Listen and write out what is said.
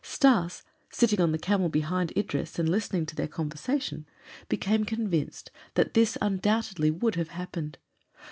Stas, sitting on the camel behind Idris and listening to their conversation, became convinced that this undoubtedly would have happened.